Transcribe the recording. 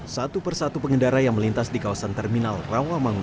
satu persatu pengendara yang melintas di kawasan terminal rawamangun